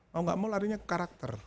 mau gak mau larinya karakter